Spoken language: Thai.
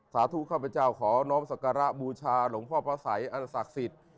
สาธุข้าพเจ้าขอน้องศักรบูชาหลวงพ่อพระสัยอันศักรษิศ